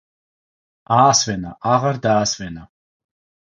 აასვენა, აღარ დაასვენა.